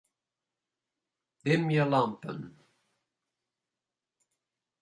Dimje lampen.